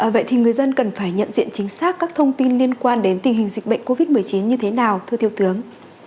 vậy thì người dân cần phải nhận diện chính xác các thông tin liên quan đến tình hình dịch bệnh covid một mươi chín như thế nào thưa thiếu tướng